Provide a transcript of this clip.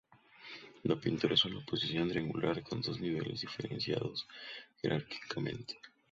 La pintura es una composición triangular con dos niveles diferenciados jerárquicamente.